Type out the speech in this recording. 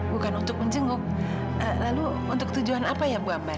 bukan untuk menjenguk lalu untuk tujuan apa ya bu abah